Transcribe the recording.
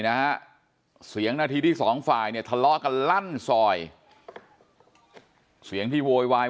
นะฮะเสียงนาทีที่สองฝ่ายเนี่ยทะเลาะกันลั่นซอยเสียงที่โวยวาย